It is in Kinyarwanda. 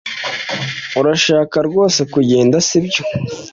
Urashaka rwose kugenda sibyo